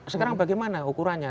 sekarang bagaimana ukurannya